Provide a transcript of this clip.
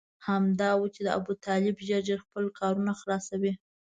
همدا و چې ابوطالب ژر ژر خپل کارونه خلاصوي.